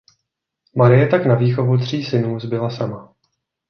Marie tak na výchovu tří synů zbyla sama.